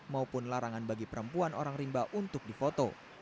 maupun larangan bagi perempuan orang rimba untuk difoto